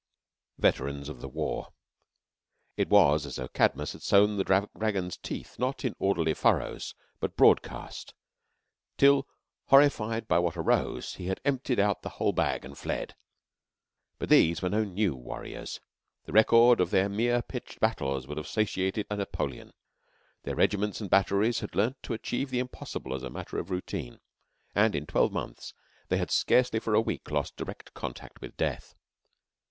VETERANS OF THE WAR It was as though Cadmus had sown the dragon's teeth, not in orderly furrows but broadcast, till, horrified by what arose, he had emptied out the whole bag and fled. But these were no new warriors. The record of their mere pitched battles would have satiated a Napoleon. Their regiments and batteries had learnt to achieve the impossible as a matter of routine, and in twelve months they had scarcely for a week lost direct contact with death.